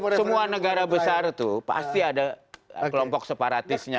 karena semua negara besar itu pasti ada kelompok separatisnya